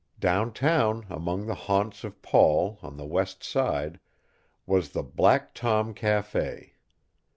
Down town, among the haunts of Paul, on the west side, was the Black Tom Café.